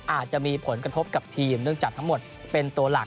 อาจจะมีผลกระทบกับทีมเนื่องจากทั้งหมดเป็นตัวหลัก